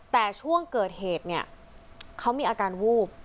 แต่ช่วงเกิดเหตุเนี่ยเขามีอาการวูบ